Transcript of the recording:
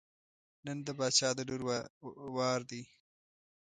نن د باچا د لور وار دی.